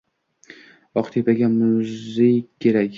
“Oqtepa”ga muzey kerak!